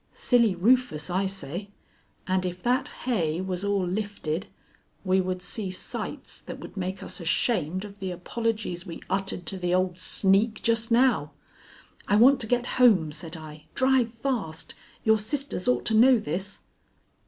Silly Rufus, I say; and if that hay was all lifted, we would see sights that would make us ashamed of the apologies we uttered to the old sneak just now." "I want to get home," said I. "Drive fast! Your sisters ought to know this."